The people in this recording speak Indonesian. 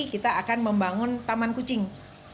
kita akan membangun taman kucing